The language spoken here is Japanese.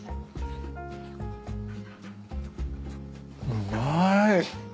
うまい。